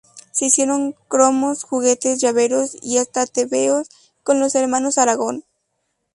Se hicieron cromos, juguetes, llaveros y hasta tebeos con los hermanos Aragón.